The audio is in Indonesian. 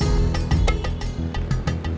ya ada tiga orang